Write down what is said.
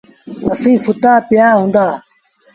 اسيٚݩ سُتآ پيٚآ هوندآ۔